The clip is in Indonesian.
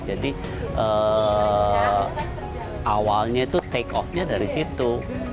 jadi awalnya itu take off nya dari situ